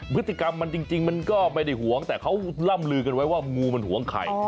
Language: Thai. พฤติกรรมมันจริงมันก็ไม่ได้หวงแต่เขาล่ำลือกันไว้ว่างูมันหวงไข่